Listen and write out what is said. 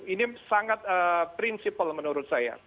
ini sangat prinsipal menurut saya